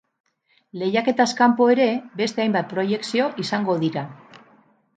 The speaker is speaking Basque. Lehiaketaz kanpo ere beste hainbat proiekzio izango dira.